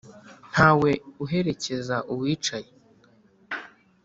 Ntawe uherekeza uwicaye